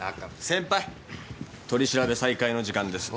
先輩取り調べ再開の時間です。